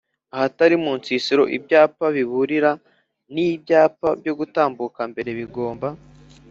Ahatari mu nsisiro ibyapa biburira n ibyapa byo gutambuka mbere bigomba